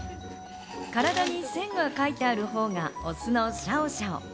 体に線が描いてあるほうがオスのシャオシャオ。